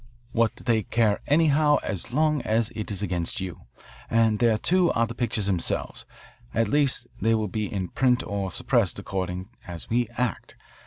What do they care anyhow as long as it is against you? And there, too, are the pictures themselves at least they will be in print or suppressed, according as we act.